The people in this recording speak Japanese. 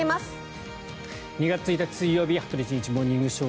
２月１日、水曜日「羽鳥慎一モーニングショー」。